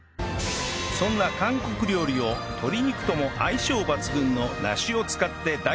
そんな韓国料理を鶏肉とも相性抜群の梨を使って大胆アレンジ！